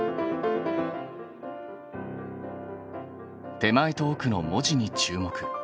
手前とおくの文字に注目。